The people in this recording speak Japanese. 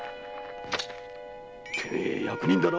てめえ役人だな？